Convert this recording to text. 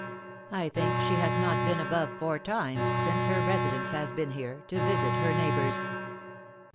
I think she has not been above four times since her residence has been here, to visit her neighbors."